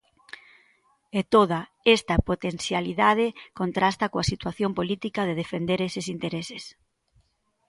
E toda esta potencialidade contrasta coa situación política de defender eses intereses.